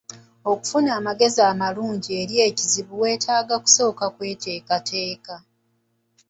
Okufuna amagezi amalungi eri ekizibu weetaaga kusooka kweteekateeka.